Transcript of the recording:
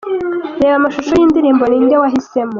Reba amashusho y'indirimbo 'Ni nde wahisemo'.